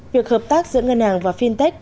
việc hợp tác giữa ngân hàng và fintech